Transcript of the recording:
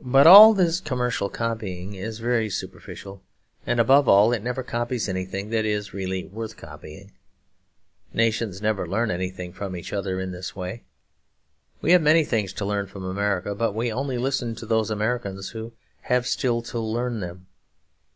But all this commercial copying is very superficial; and above all, it never copies anything that is really worth copying. Nations never learn anything from each other in this way. We have many things to learn from America; but we only listen to those Americans who have still to learn them.